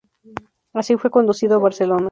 Así fue conducido a Barcelona.